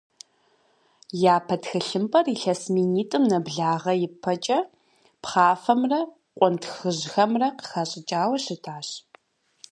Япэ тхылъымпӏэр илъэс минитӏым нэблагъэ ипэкӏэ пхъафэмрэ къунтхыжьхэмрэ къыхащӏыкӏауэ щытащ.